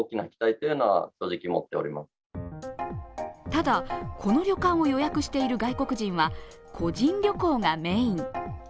ただ、この旅館を予約している外国人は個人旅行がメーン。